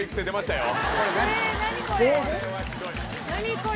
何これ？